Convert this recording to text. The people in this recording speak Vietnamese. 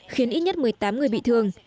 khiến ít nhất một mươi tám người bị thương